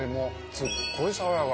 すっごい爽やか。